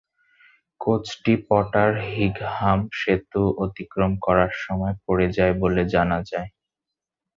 কোচটি Potter হিগহাম সেতু অতিক্রম করার সময় পড়ে যায় বলে জানা যায়।